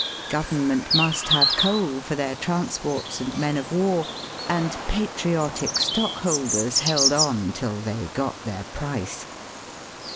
Government must have coal for their transports and men of war, and patriotic stock holders held on till they got their price.